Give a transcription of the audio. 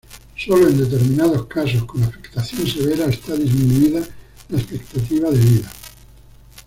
Solo en determinados casos con afectación severa está disminuida la expectativa de vida.